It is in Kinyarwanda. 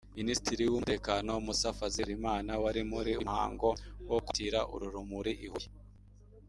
Minisitiri w’Umutekano Mussa Fazil Harerimana wari muri uyu muhango wo kwakira uru rumuri i Huye